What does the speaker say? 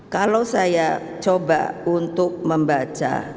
kalau saya coba untuk membaca